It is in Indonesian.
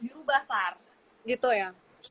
dirubah sar gitu ya